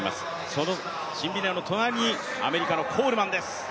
そのシンビネの隣にアメリカのコールマンです。